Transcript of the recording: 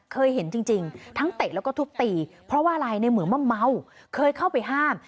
เคยเห็นจริงทั้งเตะแล้วก็ทุบตีเพราะว่าอะไรในเหมือนว่าเมาเคยเข้าไปห้าม